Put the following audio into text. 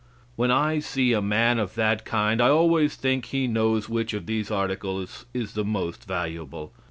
When I see a man of that kind I always think he knows which of these articles is the most valuable.